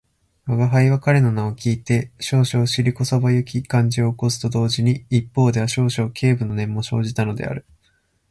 吾輩は彼の名を聞いて少々尻こそばゆき感じを起こすと同時に、一方では少々軽侮の念も生じたのである